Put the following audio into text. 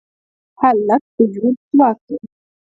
هلک د ژوند ځواک دی.